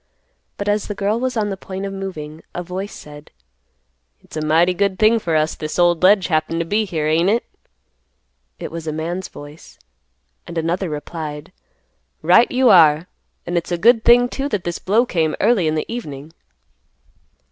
But, as the girl was on the point of moving, a voice said, "It's a mighty good thing for us this old ledge happened to be here, ain't it?" It was a man's voice, and another replied, "Right you are. And it's a good thing, too, that this blow came early in the evening."